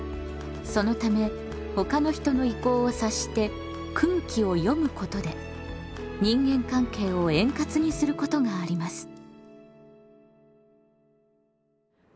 そのためほかの人の意向を察して「空気を読む」ことで人間関係を円滑にすることがあります。